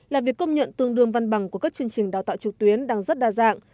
là việc công nhận tương đương văn bằng của các chương trình đào tạo trực tuyến đang rất đa dạng